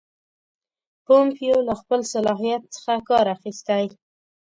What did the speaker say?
پومپیو له خپل صلاحیت څخه کار اخیستی.